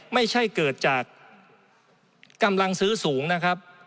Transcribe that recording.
ไม่ใช่เกิดจากกำลังซื้อสูงนะครับ